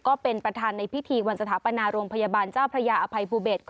ก็เป็นประธานในพิธีวันสถาปนาโรงพยาบาลเจ้าพระยาอภัยภูเบศ